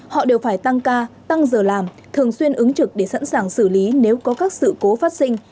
họ đều phải tăng ca tăng giờ làm thường xuyên ứng trực để sẵn sàng xử lý nếu có các sự cố phát sinh